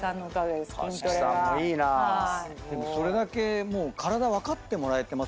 でもそれだけ体分かってもらえてますよね。